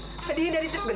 jadi dari cepetan